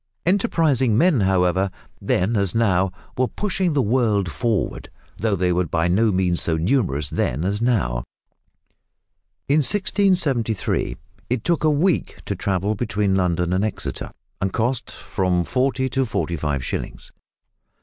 Enterprising men, however, then as now, were pushing the world forward, though they were by no means so numerous then as now. In 1673 it took a week to travel between London and Exeter, and cost from forty to forty five shillings.